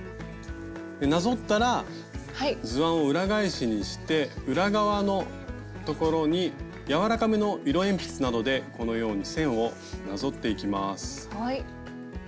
なぞったら図案を裏返しにして裏側のところにやわらかめの色鉛筆などでこのように線をなぞっていきます。